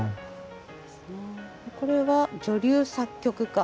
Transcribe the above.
これは女流作曲家。